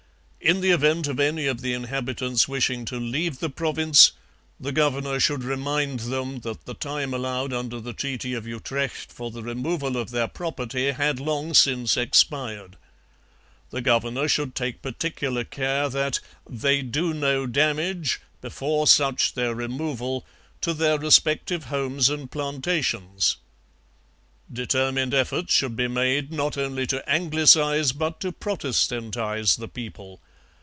In the event of any of the inhabitants wishing to leave the province, the governor should remind them that the time allowed under the Treaty of Utrecht for the removal of their property had long since expired. The governor should take particular care that 'they do no damage, before such their removal, to their respective homes and plantations.' Determined efforts should be made, not only to Anglicize, but to Protestantize the people.